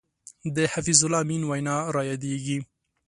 د حفیظ الله امین وینا را یادېږي.